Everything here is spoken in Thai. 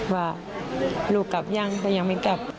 ว่าลูกกลับยังก็ยังไม่กลับ